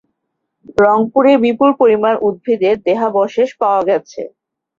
রংপুরে বিপুল পরিমাণ উদ্ভিদের দেহাবশেষ পাওয়া গেছে।